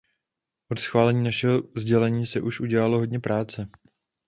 Od schválení našeho sdělení se už udělalo hodně práce.